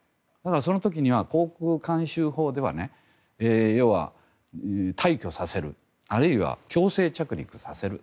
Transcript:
その時には航空慣習法では退去させるあるいは強制着陸させる。